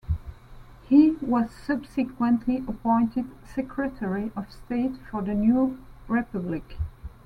He was subsequently appointed Secretary of State for the new republic.